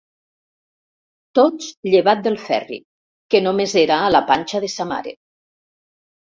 Tots llevat del Ferri, que només era a la panxa de sa mare.